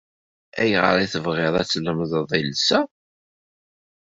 Ayɣer ay tebɣiḍ ad tlemdeḍ iles-a?